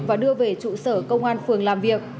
và đưa về trụ sở công an phường làm việc